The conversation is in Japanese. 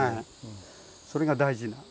それが大事な。